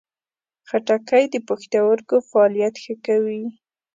خټکی د پښتورګو فعالیت ښه کوي.